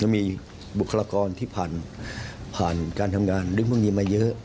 มีบุคลากรที่ผ่านการทำงานเรื่องพวกนี้มาเยอะ